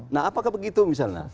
nah apakah begitu misalnya